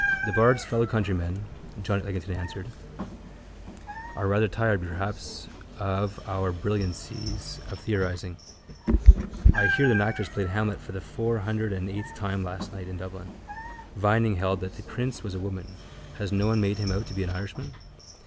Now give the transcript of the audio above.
—The bard's fellowcountrymen, John Eglinton answered, are rather tired perhaps of our brilliancies of theorising. I hear that an actress played Hamlet for the fourhundredandeighth time last night in Dublin. Vining held that the prince was a woman. Has no one made him out to be an Irishman?